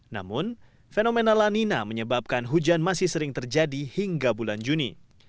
namun fenomena lanina menyebabkan hujan masih sering terjadi hingga bulan juni